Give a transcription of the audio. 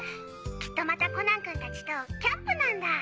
きっとまたコナン君達とキャンプなんだ。